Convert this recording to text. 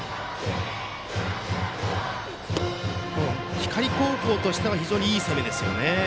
光高校としては非常にいい攻めですよね。